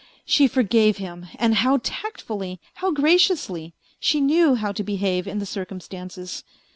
She forgave him, and how tactfully, how graciously, she knew how to behave in the circumstances.